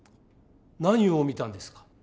何を見たんですか？